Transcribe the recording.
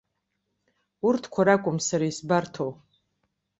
Урҭқәа ракәым сара исбарҭоу.